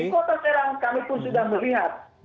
di kota serang kami pun sudah melihat